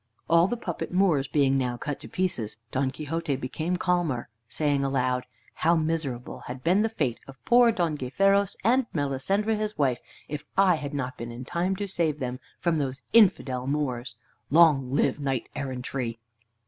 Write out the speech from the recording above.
All the puppet Moors being now cut to pieces, Don Quixote became calmer, saying aloud, "How miserable had been the fate of poor Don Gayferos and Melisendra his wife if I had not been in time to save them from those infidel Moors! Long live knight errantry!"